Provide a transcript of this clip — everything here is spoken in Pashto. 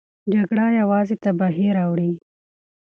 جګړه یوازې تباهي راوړي.